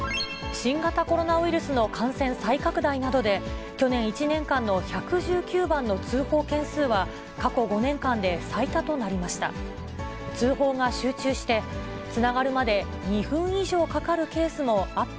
新型コロナウイルスの感染再拡大などで、去年１年間の１１９番の通報件数は、過去５年間で最多となりました。